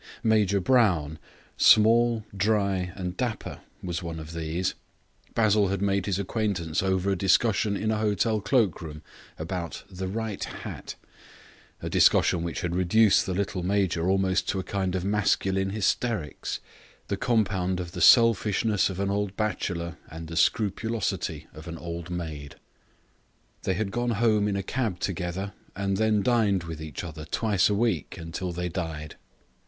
Major Brown, small, dry, and dapper, was one of these; Basil had made his acquaintance over a discussion in a hotel cloak room about the right hat, a discussion which reduced the little major almost to a kind of masculine hysterics, the compound of the selfishness of an old bachelor and the scrupulosity of an old maid. They had gone home in a cab together and then dined with each other twice a week until they died.